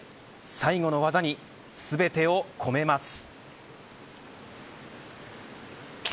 最後の技に全てを込めます。